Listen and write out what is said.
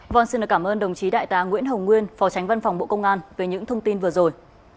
vâng xin cảm ơn đồng chí đại tá nguyễn hồng nguyên phó tránh văn phòng bộ công an về những thông tin vừa rồi